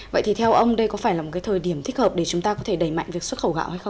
vậy thì theo ông đây có phải là một cái thời điểm thích hợp để chúng ta có thể đẩy mạnh